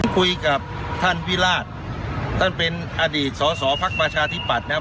คุยกับท่านวิราชท่านเป็นอดีตสอสอภักดิ์ประชาธิปัตย์นะครับ